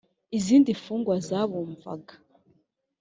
izindi mfungwa zabumvaga